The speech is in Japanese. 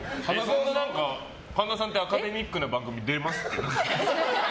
神田さんってアカデミックな番組出れますっけ？